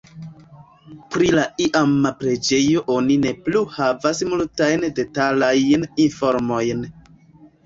Pri la iama preĝejo oni ne plu havas multajn detalajn informojn.